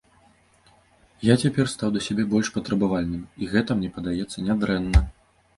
Я цяпер стаў для сябе больш патрабавальным і гэта, мне падаецца, не дрэнна.